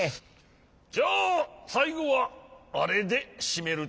じゃあさいごはあれでしめるとしよう。